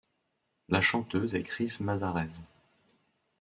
La chanteuse est Chris Mazarese.